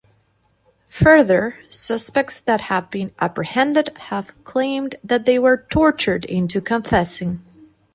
Further, suspects that have been apprehended have claimed that they were tortured into confessing.